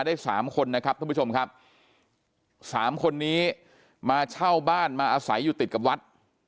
ได้สามคนนะครับท่านผู้ชมครับสามคนนี้มาเช่าบ้านมาอาศัยอยู่ติดกับวัด